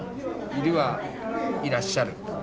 「いる」は「いらっしゃる」。